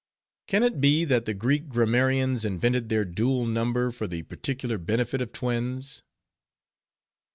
Can it be, that the Greek grammarians invented their dual number for the particular benefit of twins?